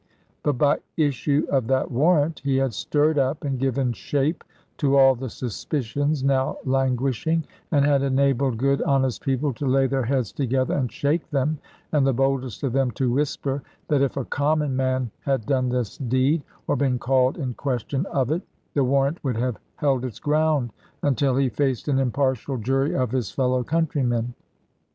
But by issue of that warrant he had stirred up and given shape to all the suspicions now languishing, and had enabled good honest people to lay their heads together and shake them, and the boldest of them to whisper that if a common man had done this deed, or been called in question of it, the warrant would have held its ground, until he faced an impartial jury of his fellow countrymen.